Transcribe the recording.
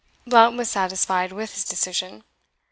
Blount was satisfied with his decision.